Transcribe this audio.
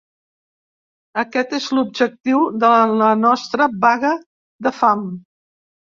Aquest és l’objectiu de la nostra vaga de fam.